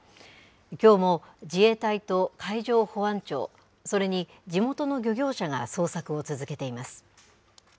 きょうも自衛隊と海上保安庁、それに地元の漁業者が捜索を続けています。